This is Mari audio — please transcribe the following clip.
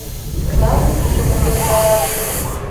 — Таумутым увертарат.